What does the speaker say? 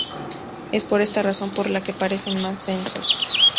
Es por esta razón por la que parecen "más densos".